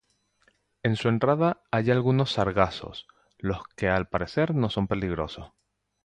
En su entrada hay algunos sargazos, los que al parecer no son peligrosos.